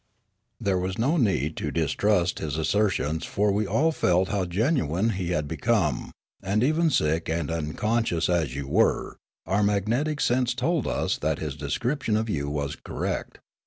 " There was no need to distrust his assertions for we all felt how genuine he had become; and even sick and unconscious as you were, our magnetic sense told us that his description of you was correct.